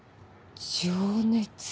情熱？